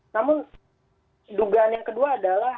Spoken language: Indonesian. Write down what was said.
namun dugaan yang kedua adalah